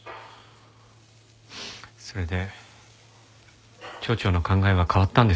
それで町長の考えは変わったんですか？